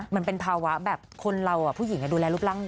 มันเป็นภาวะแบบคนเราผู้หญิงดูแลรูปร่าง